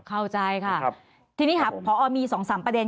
เข้าใจค่ะทีนี้ค่ะพอมี๒๓ประเด็น